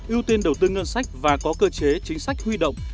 ưu tiên đầu tư ngân sách và có cơ chế chính sách huy động